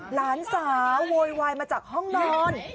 หลานสาวโวยวายมาจากห้องนอน